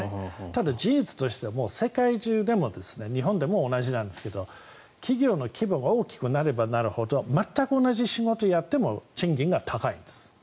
ただ、事実としては、世界中でも日本でも同じなんですけど企業の規模が大きくなればなるほど全く同じ仕事をやっても賃金が高いんです。